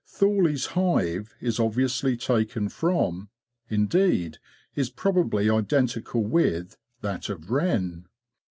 Thorley's hive is obviously taken from, indeed, is probably identical with, that of Wren.